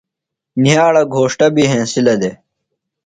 نِیھاڑہ گھوݜٹہ بیۡ ہنسِلہ دےۡ۔